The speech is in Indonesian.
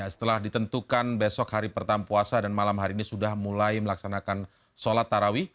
setelah ditentukan besok hari pertama puasa dan malam hari ini sudah mulai melaksanakan sholat tarawih